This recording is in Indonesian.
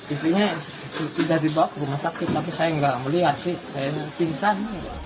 ibunya tidak dibawa ke rumah sakit tapi saya nggak melihat sih saya ini pingsan